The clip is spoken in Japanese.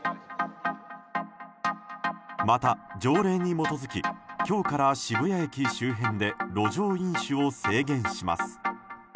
また条例に基づき、今日から渋谷駅周辺で路上飲酒を制限します。